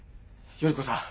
依子さん